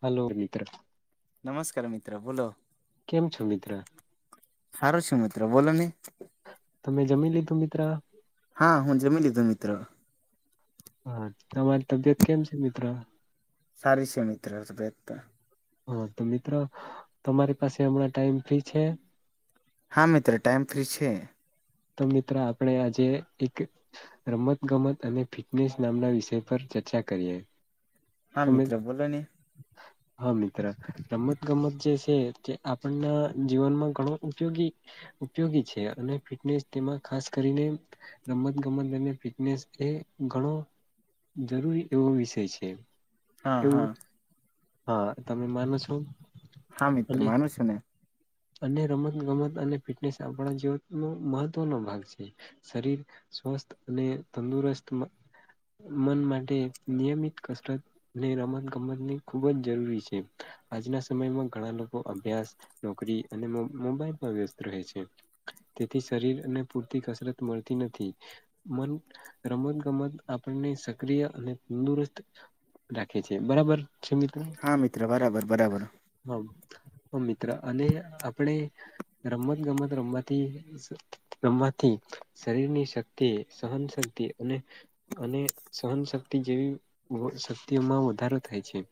Hello મિત્ર નમસ્કાર મિત્રો બોલો કેમ છો મિત્ર હારું છું મિત્રો બોલો ની તમે જમી લીધું મિત્ર? હા હું જમી લીધું મિત્ર [unintelligible] તમારી તબિયત કેમ છે મિત્ર સારીછ છે મીત્રો રહે બે તો. હા તો મિત્રો તમારી પાસે હમણાં ટાઈમ ફી છે. હા મિત્ર ટાઈમ ફ્રી છે. તો મિત્ર આપણે આજે એક રમત ગમત અને ફિટનેસ નામના વિષય પર ચર્ચા કરીએ. હા તમે મિત્ર બોલો ને [unintelligible] હા મિત્ર રમત ગમત જે છે તે આપણ ને જીવનમાં ઘણો ઉપયોગી ઉપયોગી છે અને ફિટનેસ તેમાં ખાસ કરીને રમત ગમત અને ફિટનેસ એ ઘણો જરૂરી એવો વિષય છે. હા એવું હા હા તમે માનો છો હા મિત્ર અને માનુ છું ને અને રમત ગમત અને ફિટનેસ આપણા જીવનો મહત્વનો ભાગ છે. શરીર સ્વસ્થ અને તંદુરસ્ત માં મન માટે નિયમિત કસરત ને રમત ગમત ની ખુબ જ જરૂરી છે આજના સમયમાં ઘણાં લોકો અભ્યાસ નોકરી અને મોં મોબાઈલ પણ વ્યસ્ત રહે છે. તેથી શરીર અને પૂરતી કસરત મળતી નથી. મન રમત ગમત આપણ ને સક્રિય અને તંદુરસ્ત રાખે છે બરાબર છે મિત્ર હા મિત્ર બરાબર બરાબર હા મિત્ર અને આપણે રમત ગમત રમવાથી... રમવાથી શરીરની શક્તિ, સહન શક્તિ અને અને સહન શક્તિ જેવી શક્તિઓમાં વધારો થાય છે.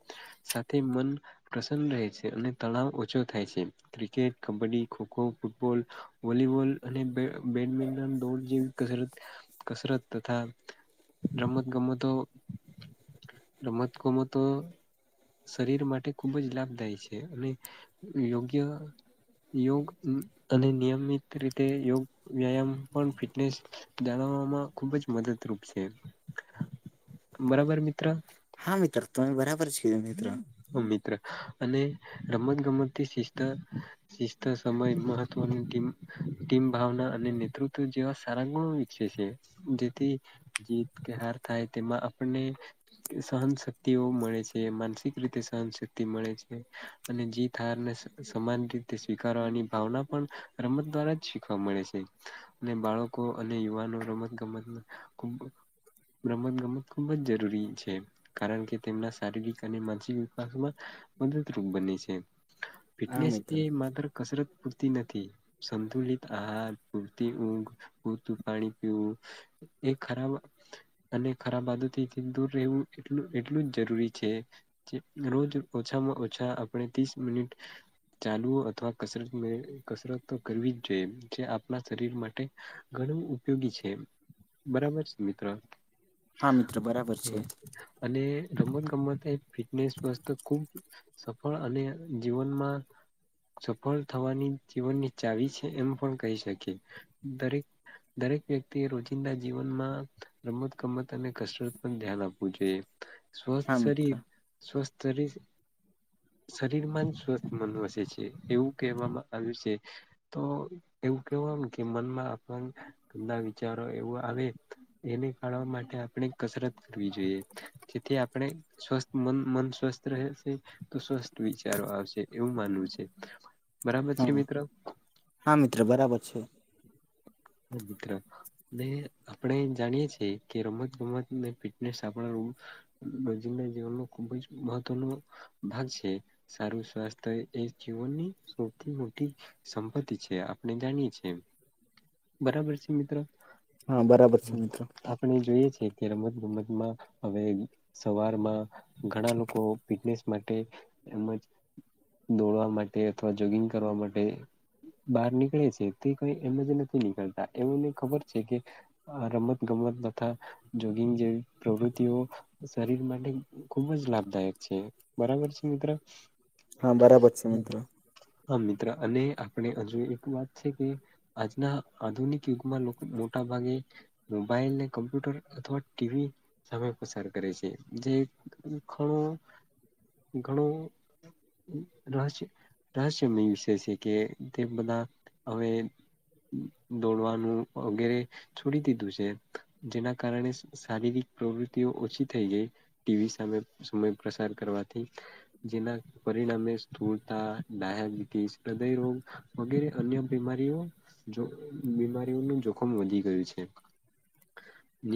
સાથે મન પ્રસન્ન રહે છે અને તણાવ ઓછો થાય છે. Cricket, kabaddi, kho kho, football volleyball અને બે બેડમિન્ટન, દોડ જેવી કહરત કસરત તથા રમત ગમતો રમત ગમ તો શરીર માટે ખૂબ જ લાભદાયી છે અને યોગ્ય યોગ અને નિયમિત રીતે યોગ વ્યાયામ પણ ફિટનેસ જાણવા માં ખુબ જ મદદરૂપ છે બરાબર મિત્ર હા મિત્ર તમે બરાબર છે મિત્ર હમ્મ મિત્ર અને રમત ગમત થી [inaudible] શિસ્ત સમય મહત્વની ટીમ ટીમ ભાવના અને નેતૃત્વ જેવા સારા ગુણો વિકસે છે જેથી જીત કે હાર થાય તેમાં આપણને સહન શક્તિઓ મળે છે માનસિક રીતે સહનશક્તિ મળે છે અને જીત હારને સમાન રીતે સ્વીકારવાની ભાવના પણ રમત દ્વારા જ શીખવા મળે છે અને બાળકો અને યુવાનો રમત ગમત માં [unintelligible] રમત ગમત ખુબ જ જરૂરી છે કારણ કે તેમના શારીરિક અને માનસિક વિકાસમાં મદદરૂપ બને છે હા ફિટનેસ મિત્ર એ માત્ર કસરત પૂરતી નથી, સંતુલિત આહાર પૂરતી ઊંઘ. પૂરતું પાણી પીવું, એ ખરાબ અને ખરાબ આદતથી દૂર રહેવું એટલુ એટલું જ જરૂરી છે. જે રોજ ઓછામાં ઓછા આપણે ત્રીસ મિનિટ. ચાલવું અથવા કસરત મ, કસરત તો કરવી જ જોઈએ જે આપણા શરીર માટે ઘણું ઉપયોગી છે, બરાબર છે મિત્ર, હા મિત્ર બરાબર છે. અને રમત ગમત એ ફિટનેસ [unintelligible] ખુબ સફળ અને જીવનમાં સફળ થવાની જીવનની ચાવી છે એમ પણ કહી શકીએ દરેક દરેક વ્યક્તિએ રોજિંદા જીવનમાં રમત ગમત અને કસરત પર ધ્યાન આપવું જોઈએ. સ્વસ્થ હા મિત્ર શરીર, સ્વસ્થ શરીર શરીર માં જ સ્વસ્થ મન વસે છે એવું કહેવામાં આવ્યું છે. તો એવું કેવાયને કે મનમાં આપણ ગંદા વિચારો એવું આવે એને કાઢવા માટે આપણે કસરત કરવી જોઈએ. જેથી આપણે સ્વસ્થ મન, મન સ્વસ્થ રહે છે. તો સ્વસ્થ વિચારો આવશે એવું માનવું છે, બરાબર છે હા મિત્ર હા મિત્ર બરાબર છે. [unintelligible] ને આપણે જાણીએ છીએ કે રમત ગમત ને ફિટનેસ આપણે રો જિંદા જીવનનું ખૂબ જ મહત્વનો ભાગ છે. સારું સ્વાસ્થ્ય એ જીવનની સૌથી મોટી સંપત્તિ છે, આપણે જાણીએ છીએ. બરાબર છે મિત્ર. હા બરાબર છે મિત્ર. આપણે જોઈએ છે કે રમત ગમતમાં હવે, સવારમાં ઘણા લોકો ફિટનેસ માટે એમજ દોડવા માટે અથવા જોગિંગ કરવા માટે, બહાર નીકળે છે તે કંઈ એમ જ નથી નીકળતા એમને ખબર છે કે, આ રમત ગમત તથા જોગિંગ જેવી પ્રવૃતિઓ, શરીર માટે ખુબ જ લાભદાયક છે, બરાબર છે મિત્ર. હા બરાબર છે મિત્ર. હા મિત્ર અને આપણે હજુ એક વાત છે કે આજના આધુનિક યુગમાં લોકો મોટા ભાગે મોબાઈલ ને કમ્પ્યુટર અથવા ટીવી, સમય પસાર કરે છે જે ઘણો ઘણો, રહસ્ય રહસ્યમય વિષય છે કે તે બધા હવે, દોડવાનું વગેરે છોડી દીધું છે જેના કારણે સ શારીરિક પ્રવૃતિઓ ઓછી થઈ જાય ટીવી સામે સમય પ્રસાર કરવાથી. જેના પરિણામે સ્થૂળતા, ડાયાબિટીસ, હૃદય રોગ, વગેરે અન્ય બીમારીઓ. જો બીમારીઓનું જોખમ વધી ગયું છે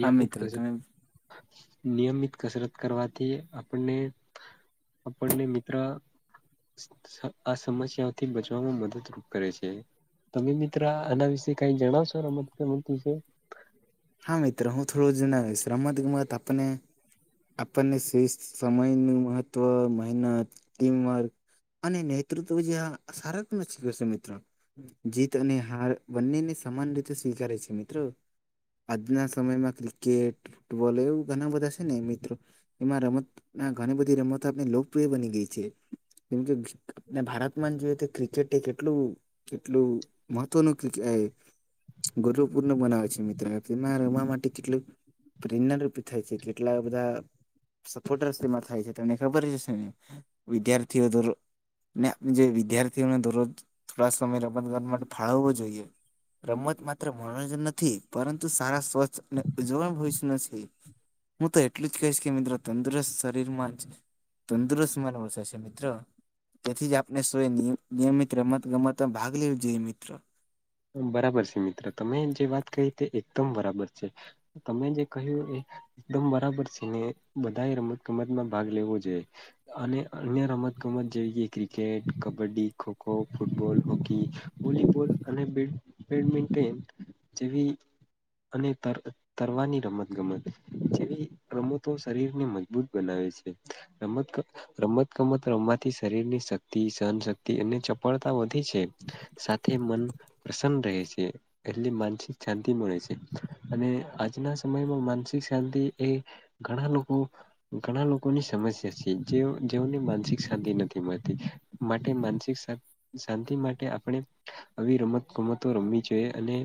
હા મિત્ર કસર તમે નિયમિત કસરત કરવાથી આપણને, આપણ ને મિત્ર સમ સમ અસમસયા ઓથી બચવામાં મદદરૂપ કરે છે તમે મિ મિત્ર આના વિશે કઈ જણાવસો રમત ગમત વિશે હા મિત્ર હું થોડું જણાવિસ રમત ગમત આપણ ને આપણને શ્રેષ્ઠ સમય નું મહત્વ મહેનત ટીમ વર્ક અને નેતૃત્વ જયા સારાતમ શીખવે છે મિત્ર જીત અને હાર બંને ને સમાન રીતે સ્વીકારે છે મિત્રો આજના સમયમાં ક્રિકેટ ફૂટબોલ એવું ઘણા બધા છે, ને મિત્રો એમાં રમત ના ઘણી બધી રમતો આપણે લોકપ્રિય બની ગઈ છે, જેમકે આપણે ભારતમાં જ જોઈએ તો ક્રિકેટ એ કેટલું કેટલું મહત્વનું ક્રિક એ ગુરૂપૂર્ણ બનાવે છે, મિ મિત્ર તેમાં રમવા માટે કેટલું પ્રેરણા રૂપી થાય છે, કેટલા બધા સપોર્ટર્સ તેમાં થાય છે, તને ખબર છે વિદ્યાર્થીઓ તો [unintelligible] ને જે વિદ્યાર્થીઓને દર રોજ થોડા સમય રમત ગમત માટે ફાળવો જોઈએ રમત માત્ર મનોરંજન નથી પરંતુ સારા સ્વચ્છ અને ઉજ્જવળ ભવિષ્ય છે. હું તો એટલું જ કહીશ કે મિત્રો તંદુરસ્ત શરીર માં જ તંદુરસ્ત મનંવ શ છે મિત્ર તેથી જ આપણે સવ્ નિયમિત રમત ગમત માં ભાગ લેવું જોઈએ મિત્ર હ બરાબર છે, મિત્ર તમે જે વાત કહી તે એકદમ બરાબર છે. તમે જે કહ્યું એ એકદમ બરાબર છે ને બધા એ રમત ગમતમાં ભાગ લેવો જોઈએ અને અન્ય રમત ગમત જેવી કે cricket, kabaddi, kho kho, football, hockey volleyball અને બેડ બેડમિન્ટન જેવી અને તર તરવાની રમત ગમત જેવી રમતો શરીરને મજબૂત બનાવે છે. રમત ગ રમત ગમત રમવાથી શરીર ની શક્તિ સહનશક્તિ અને ચપળતા વધે છે. સાથે મન પ્રંસન્ન રહે છે. એટલે માનસિક શાંતિ મળે છે, અને આજના સમયમાં માનસિક શાંતિ એ ઘણા લોકો ઘણા લોકોની સમસ્યા છે, જે જેઓને માનસિક શાંતિ નથી મળતી માટે માનસિક શાંન શાંતિ માટે આપણે આવી રમત રમતો રમવી જોઈ એ અને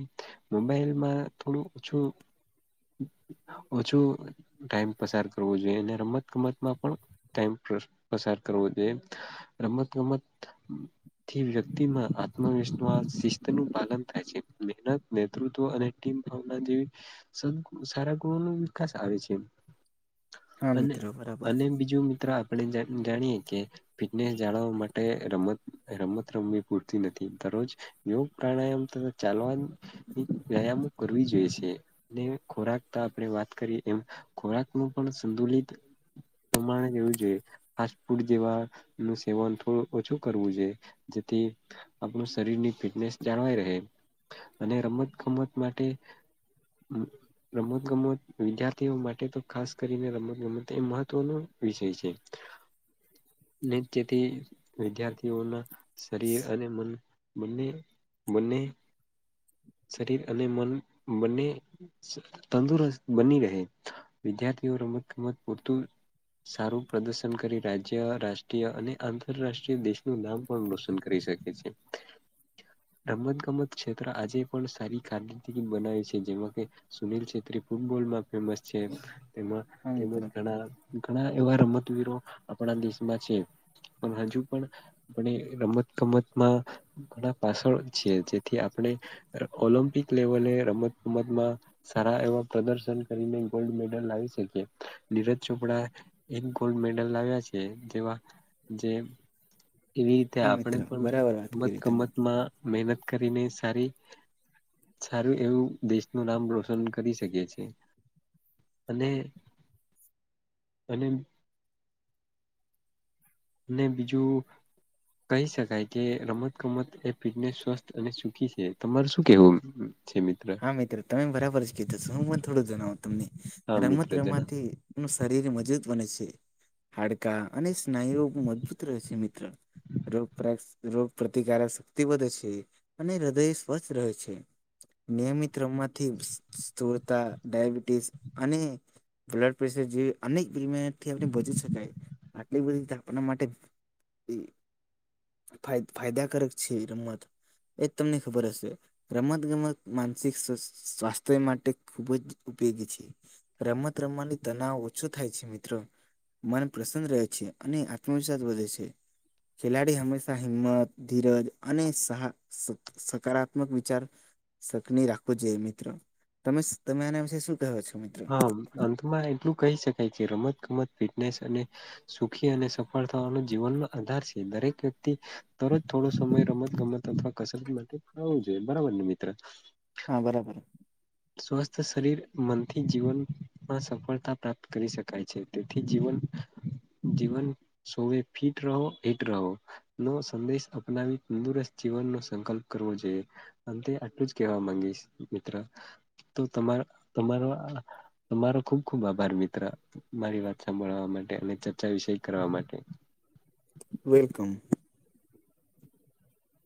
મોબાઈલ માં થોડું ઓછું ઓછું ટાઈમ પસાર કરવો જોઈએ અને રમત ગમતમાં પણ ટાઈમ પસા પસાર કરવો જોઈએ રમત ગમત થી વ્યક્તિમાં આત્મવિશ્વાસ તેનું પાલન થાય છે મહેનત, નેતૃત્વ અને ટીમ ભાવના જેવી સંન સારા ગૃહો નો વિકાસ આવે છે. હા અને મિત્રો બરાબર અને બીજું મિત્ર આપણે જાણ જાણીએે કે ફિટનેસ જાળવવા માટે રમત રમત રમવી પૂરતી નથી દરો જ યોગ પ્રાણાયામ તથા ચાલવાની વ્યાયામો કરવી જોઈ એ છે. ને ખોરાક તો આપણે વાત કરીએ એમ ખોરાક નું પણ સંતુલિત પ્રમાણે લેવું જોઈએ ફાસ્ટ ફૂડ જેવા નું સેવન થોડું ઓછું કરવું જોઈએ જેથી આપણું શરીર ની ફિટનેસ જાળવાઈ રહે અને રમત ગમત માટે રમત ગમત વિદ્યાર્થીઓ માટે તો ખાસ કરીને રમત ગમત એ મહત્વનો વિષય છે, નિત્યથી વિદ્યાર્થીઓના શરીર અને મન બંને બંને શરીર અને મન બંને તંદુરસ્ત બની રહે વિદ્યાર્થીઓ રમત ગમત પૂરતું સારું પ્રદર્શન કરી રાજ્ય રાષ્ટ્રીય અને આંતરરાષ્ટ્રીય દેશનું નામ પણ રોશન કરી શકે છે રમત ગમત ક્ષેત્ર આજે પણ સારી કારકિરદી બનાવે છે જેમાં કે સુનીલ છેત્રી ફૂટબોલમાં ફેમસ છે તેમાં હા તેમજ મિત્રો ઘણા ઘણા એવા રમતવીરો આપણા દેશમાં છે પણ હજુ પણ આપણે રમત ગમતમાં ઘણા પાછળ છે જેથી આપણે ઓલમ્પિક લેવલે રમત ગમતમાં સારા એવા પ્રદર્શન કરીને ગોલ્ડ મેડલ લાવી શકી નીરજ ચોપડા એક ગોલ્ડ મેડલ લાવ્યા છે જેવા જે એવી રીતે હા આપણે મિત્રો પણ બરાબર વાત રમત કરી તમે ગમતમાં મહેનત કરીને સારી સારું એવું દેશનું નામ રોશન કરી શકયે છે અને અને અને બીજું કહી શકાય કે રમત ગમત એ ફિટનેસ સ્વસ્થ અને સુખી છે તમાર શું કેવું? છે મિત્ર હા મિત્રો તમે બરાબર જ કીધો છ હું પણ થોડું જણાવો તમને હા મિત્ર રમત જણાવ રમાંતી પણું શરીર મજબૂત બને છે હાડ અને સ્નાયુઓ મજબૂત રહે છે મિત્ર રોગક્ષ રોગ પ્રતિકારક શક્તિ વધે છે અને હૃદય સ્વસ્થ રહે છે નિયમિત રમમાંથી સ્થૂરતા ડાયાબિટીસ અને બ્લડ [unintelligible] અનેકથી [unintelligible] આપને બચી શકાય આટલી બધીપ આપના માટે [inaudible] ફાયદાકારક છે રમત એજ તમને ખબર હશે રમત ગમત માનસિક સ્વાસ્થ્ય માટે ખૂબ જ ઉપયોગી છે રમત રમવાની તનાવ ઓછો થાય છે મિત્ર મન રહે છે અને આત્મવિશ્વાસ વધે છે ખેલાડી હંમેશા હિંમત ધીરજ અને સાહા સકારાત્મક વિચાર સકની રાખવું જોઈએ મિત્ર તમે તમે આના વિશે શું [unintelligible] હા અંતમાં એટલું કહી શકાય કે રમત ગમત ફિટનેસ અને સુખી અને સફળ થવાનો જીવનનો આધાર છે દરેક વ્યક્તિ તરજ થોડો સમય રમત ગમત અથવા કસરત માટે આવું જોઈએ બરાબર ને મિત્ર હા બરાબર સ્વસ્થ શરીર મનથી જીવન માં સફળતા પ્રાપ્ત કરી શકાય છે તેથી જીવન જીવન સોવે ફિટ રહો હિટ રહો નો સંદેશ અપનાવી તંદુરસ્ત જીવનનો સંકલ્પ કરવો જોઈએ અંતે આટલું જ કેહેવા માંગીશ મિત્ર તો તમા તમારો તમારો ખુબ ખુબ આભાર મિત્ર મારી વાત સાભળવા માટે અને ચર્ચા વિષય કરવા માટે વેલકમ